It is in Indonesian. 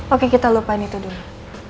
oke kita lupain itu dulu